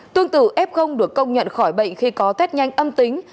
tương tự f được công nhận khỏi bệnh khi có test nhanh âm tính